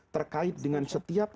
terkait dengan setiap